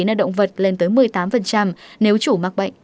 nâng động vật lên tới một mươi tám nếu chủ mắc bệnh